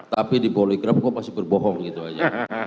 tapi di bolegrap kok pasti berbohong gitu aja